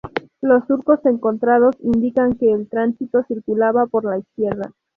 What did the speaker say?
Los surcos encontrados indican que el tránsito circulaba por la izquierda.